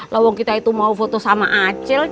lawang kita itu mau foto sama acil